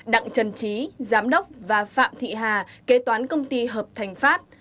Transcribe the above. đặng trần trí giám đốc và phạm thị hà kế toán công ty hợp thành pháp